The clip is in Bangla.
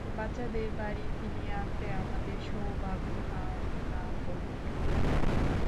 বাচ্চাদের বাড়ি ফিরিয়ে আনতে আমাদের সৌভাগ্য কামনা করুন।